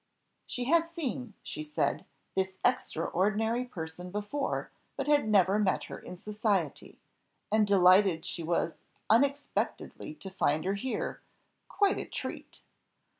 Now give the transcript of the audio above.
She had seen, she said, this extraordinary person before, but had never met her in society, and delighted she was unexpectedly to find her here "quite a treat."